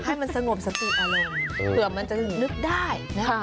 ให้มันสงบสติอารมณ์เผื่อมันจะนึกได้นะคะ